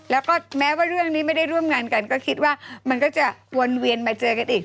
แล้วก็แม้ว่าเรื่องนี้ไม่ได้ร่วมงานกันก็คิดว่ามันก็จะวนเวียนมาเจอกันอีก